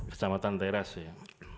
kecamatan teras ya